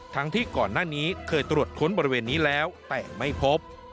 ทั้งที่ก่อนหน้านี้เคยตรวจค้นบริเวณนี้แล้วแต่ไม่พบ